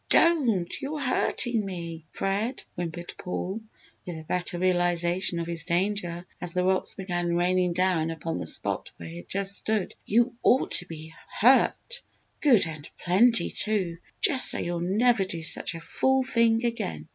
"Don't you're hurtin' me, Fred!" whimpered Paul, with a better realisation of his danger as the rocks began raining down upon the spot where he had just stood. "You ought to be hurt good and plenty, too! Just so you'll never do such a fool thing again!